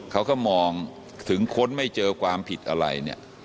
เขาก็มองถึงค้นไม่เจอความผิดอะไรเนี่ย